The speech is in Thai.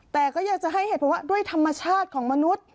แต่ก็อยากจะให้เหตุผลว่าด้วยธรรมชาติของมนุษย์